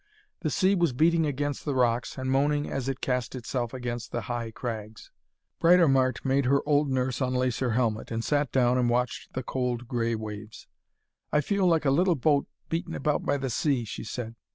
The sea was beating against the rocks, and moaning as it cast itself against the high crags. Britomart made her old nurse unlace her helmet, and sat down and watched the cold grey waves. 'I feel like a little boat beaten about by the sea,' she said.